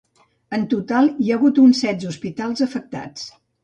En total, hi ha hagut uns setze hospitals afectats.